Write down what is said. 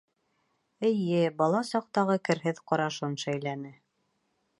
Эйе, бала саҡтағы керһеҙ ҡарашын шәйләне.